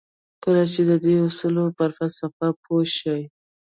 کله چې د دې اصولو پر فلسفه پوه شئ.